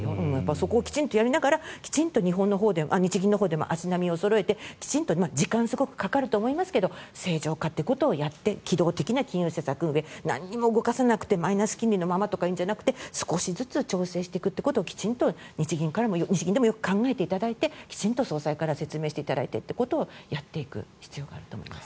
そこきちんとやりながら日銀のほうでも足並みをそろえてきちんと時間はかかると思いますが正常化ということをやって機動的な金融政策運営何も動かさなくてマイナス金利のままではなく少しずつ調整していくってことを日銀でもよく考えていただいて総裁から説明していただいてということをやっていく必要があると思います。